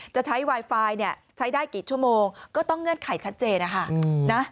จะใช้ไวไฟใช้ได้กี่ชั่วโมงก็ต้องเงื่อนไขชัดเจนนะคะ